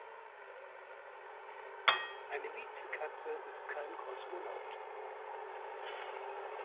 Eine Miezekatze ist kein Kosmonaut.